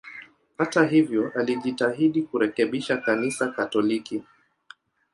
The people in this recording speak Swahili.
Hata hivyo, alijitahidi kurekebisha Kanisa Katoliki.